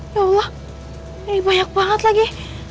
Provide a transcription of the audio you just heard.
ya allah ini banyak banget lagi